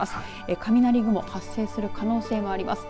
雷雲、発生する可能性あります。